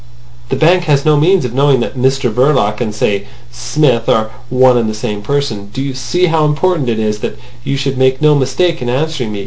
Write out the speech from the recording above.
The bank has no means of knowing that Mr Verloc and, say, Smith are one and the same person. Do you see how important it is that you should make no mistake in answering me?